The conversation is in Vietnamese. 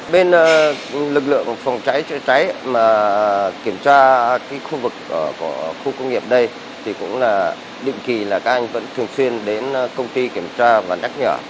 bên lực lượng phòng cháy chữa cháy mà kiểm tra khu vực của khu công nghiệp đây thì cũng là định kỳ là các anh vẫn thường xuyên đến công ty kiểm tra và nhắc nhở